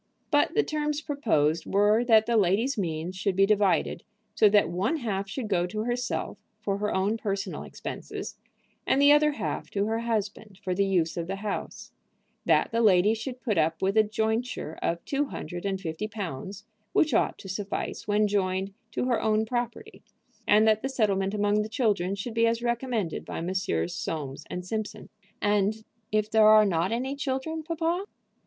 But the terms proposed were that the lady's means should be divided so that one half should go to herself for her own personal expenses, and the other half to her husband for the use of the house; that the lady should put up with a jointure of two hundred and fifty pounds, which ought to suffice when joined to her own property, and that the settlement among the children should be as recommended by Messrs. Soames & Simpson. "And if there are not any children, papa?"